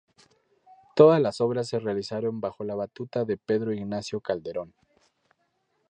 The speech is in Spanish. Todas las obras se realizaron bajo la batuta de Pedro Ignacio Calderón.